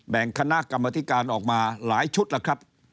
คณะกรรมธิการออกมาหลายชุดแล้วครับ